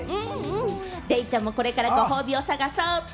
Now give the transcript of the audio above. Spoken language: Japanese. デイちゃんもこれからご褒美を探そうっと。